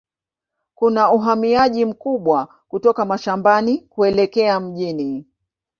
Kuna uhamiaji mkubwa kutoka mashambani kuelekea mjini.